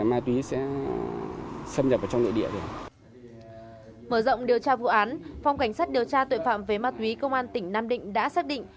mở rộng điều tra vụ án phòng cảnh sát điều tra tội phạm về ma túy công an tỉnh nam định đã xác định